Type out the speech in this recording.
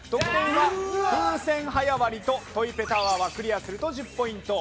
風船早割りとトイペタワーはクリアすると１０ポイント